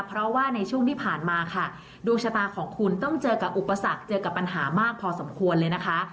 เพราะว่าในช่วงที่ผ่านมาค่ะดวงชะตาของคุณต้องเจอกับอุปสรรคเจอกับปัญหามากพอสมควรเลยนะคะ